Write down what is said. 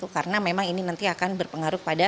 karena memang ini nanti akan berpengaruh pada